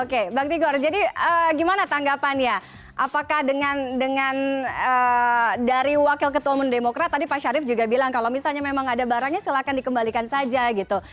oke bang tigor jadi gimana tanggapannya apakah dengan dari wakil ketua umum demokrat tadi pak syarif juga bilang kalau misalnya memang ada barangnya silahkan dikembalikan saja gitu